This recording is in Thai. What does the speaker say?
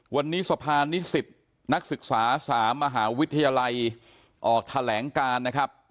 วันนี้สะพานนิสิตนักศึกษา๓มหาวิทยาลัยออกแถลงการนะครับ